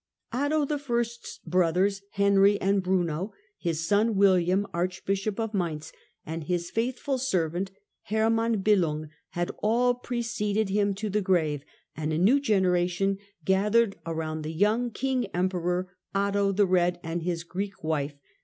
Otto I.'s brothers, Henry and Bruno, his son William, Archbishop of Mainz, and his faithful servant Hermann Billung, had all preceded him to the grave, and a new generation gathered about the young King Emperor Otto " The Eed " and his Greek wife.